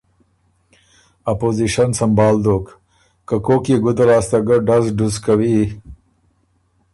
ا پوزیشن سمبهال دوک که کوک يې ګُده لاسته ګۀ ډز ډُز کوی